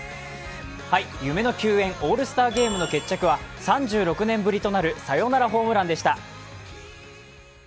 夢の球宴、オールスターゲームの決着は３６年ぶりとなるサヨナラホームランでした。